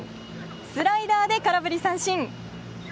スライダーで空振り三振。